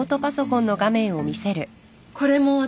これも私。